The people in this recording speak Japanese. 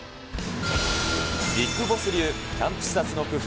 ビッグボス流キャンプ視察の工夫。